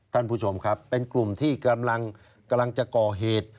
ท่านผู้ชมครับเป็นกลุ่มที่กำลังจะก่อเหตุ